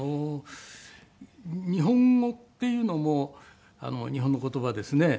日本語っていうのも日本の言葉ですね。